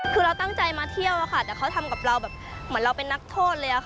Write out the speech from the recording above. คือเราตั้งใจมาเที่ยวค่ะแต่เขาทำกับเราแบบเหมือนเราเป็นนักโทษเลยค่ะ